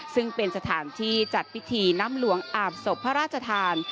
ซึ่งเป็นสถานที่จัดพิธีน้ำหลวงอาบศพพระราชทาน